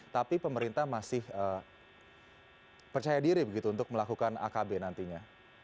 tapi pemerintah masih percaya diri begitu untuk melakukan akb nantinya